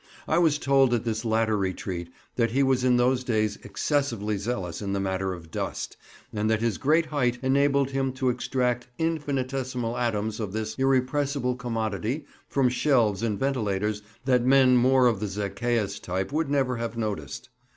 I was told at this latter retreat that he was in those days excessively zealous in the matter of dust, and that his great height enabled him to extract infinitesimal atoms of this irrepressible commodity from shelves and ventilators that men more of the "Zachæus" type would never have noticed.